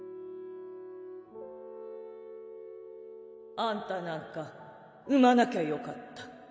あんたなんか産まなきゃよかった。